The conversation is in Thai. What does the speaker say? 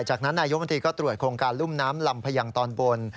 จากนั้นนายกมนตรีก็ตรวจโครงการลุ่มน้ำลำพยังตอนบน